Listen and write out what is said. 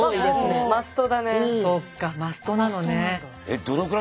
そっかマストなのね。